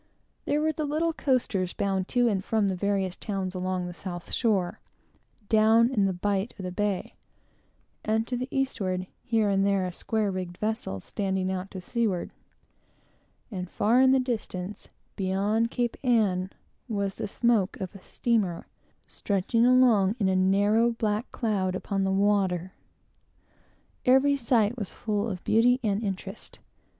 There were the little coasters, bound to and from the various towns along the south shore, down in the bight of the bay, and to the eastward; here and there a square rigged vessel standing out to seaward; and, far in the distance, beyond Cape Ann, was the smoke of a steamer, stretching along in a narrow, black cloud upon the water. Every sight was full of beauty and interest.